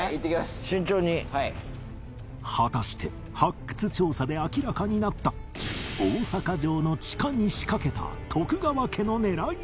果たして発掘調査で明らかになった大阪城の地下に仕掛けた徳川家の狙いとは？